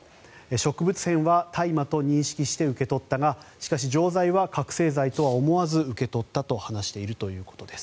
植物片は大麻と認識して受け取ったがしかし、錠剤は覚醒剤とは思わず受け取ったと話しているということです。